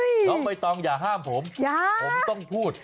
น้องใบตองอย่าห้ามผมผมต้องพูด